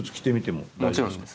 もちろんです。